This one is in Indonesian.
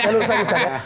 saya luruskan ya